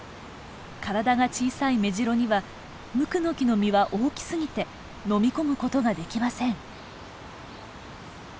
体が小さいメジロにはムクノキの実は大きすぎて飲み込むことができません。